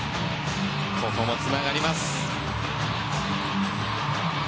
ここもつながります。